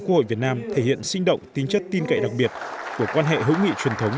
quốc hội việt nam thể hiện sinh động tính chất tin cậy đặc biệt của quan hệ hữu nghị truyền thống